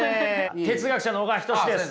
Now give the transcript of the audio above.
哲学者の小川仁志です。